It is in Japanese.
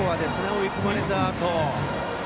追い込まれたあと。